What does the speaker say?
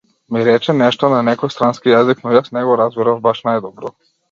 Ми рече нешто на некој странски јазик, но јас не го разбирав баш најдобро.